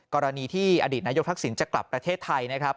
กรณีที่อดีตนายกทักษิณจะกลับประเทศไทยนะครับ